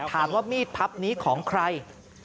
ถามว่ามีดพับนี้ของใคร